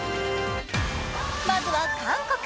まずは韓国。